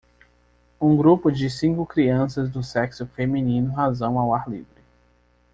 Um grupo de cinco crianças do sexo feminino razão ao ar livre.